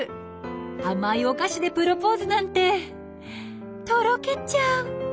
甘いお菓子でプロポーズなんてとろけちゃう！